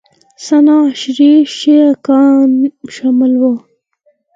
اثناعشري شیعه ګان شامل وو